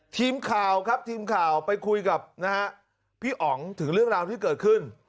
ทีมข่าวครับทีมข่าวไปคุยกับนะฮะพี่อ๋องถึงเรื่องราวที่เกิดขึ้น